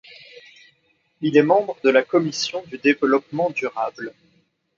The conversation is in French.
Il est membre de la Commission du Développement durable.